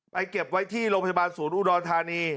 เก็บไว้ที่โรงพยาบาลศูนย์อุดรธานี